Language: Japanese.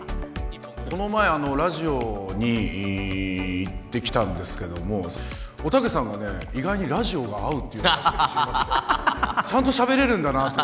この前、ラジオに行ってきたんですけども、おたけさんがね、意外にラジオが合うっていうのを知りまして、ちゃんとしゃべれるんだなって。